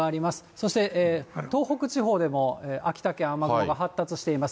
そして、東北地方でも秋田県、雨雲が発達しています。